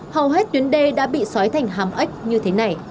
hầu hết tuyến đê đã bị sọt